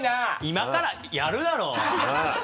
今からやるだろう！